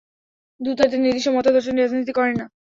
Duterte নির্দিষ্ট মতাদর্শের রাজনীতি করেন না।